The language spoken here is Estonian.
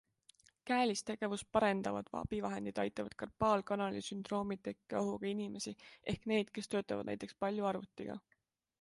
Käelist tegevust parendavad abivahendid aitavad karpaalkanali sündroomi tekke ohuga inimesi ehk neid, kes töötavad näiteks palju arvutiga.